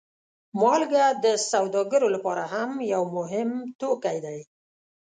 مالګه د سوداګرو لپاره هم یو مهم توکی دی.